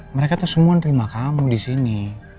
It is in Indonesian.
mereka itu semua nerima kamu di sini